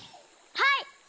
はい！